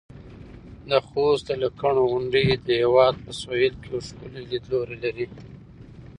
د خوست د لکڼو غونډۍ د هېواد په سویل کې یو ښکلی لیدلوری لري.